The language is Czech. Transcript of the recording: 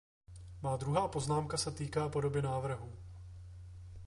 Má druhá poznámka se týká podoby návrhů.